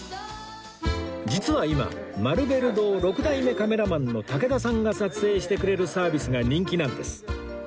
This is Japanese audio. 実は今マルベル堂６代目カメラマンの武田さんが撮影してくれるサービスが人気なんです